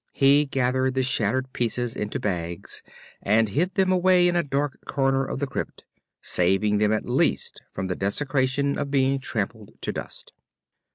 He gathered the shattered pieces into bags and hid them away in a dark corner of the crypt, saving them at least from the desecration of being trampled to dust.